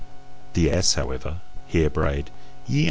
The ass, however, here brayed YE A.